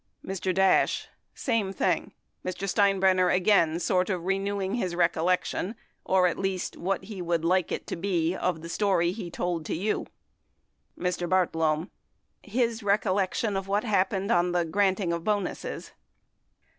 Mr. Dash. Same thing. Mr. Steinbrenner again sort of re newing his recollection, or at least what he would like it to be, of the story told to you ? Mr. Bartlome. His recollection of what happened on the granting of bonuses.